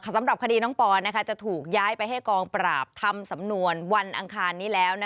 สำหรับคดีน้องปอนจะถูกย้ายไปให้กองปราบทำสำนวนวันอังคารนี้แล้ว